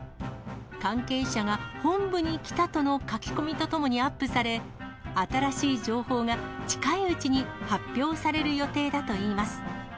関係者が本部に来たとの書き込みとともにアップされ、新しい情報が近いうちに発表される予定だといいます。